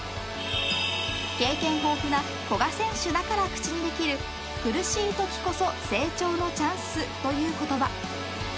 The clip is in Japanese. ［経験豊富な古賀選手だから口にできる苦しいときこそ成長のチャンスという言葉］